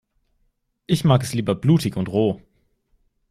Ich mag es lieber blutig und roh.